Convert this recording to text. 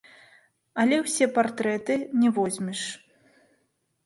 Але ўсе партрэты не возьмеш.